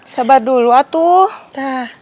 sabar dulu atuh